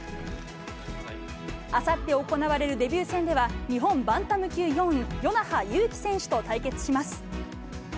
あさって行われるデビュー戦では、日本バンタム級４位、与那覇勇気選手と対決します。